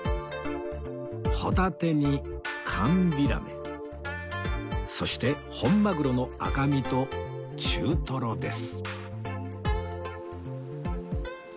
ホタテに寒ビラメそして本マグロの赤身と中トロです